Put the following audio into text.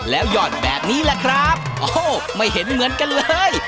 แล้วหยอดแบบนี้แหละครับโอ้โหไม่เห็นเหมือนกันเลย